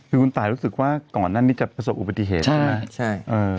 คือคุณตายรู้สึกว่าก่อนหน้านี้จะประสบอุบัติเหตุใช่ไหมใช่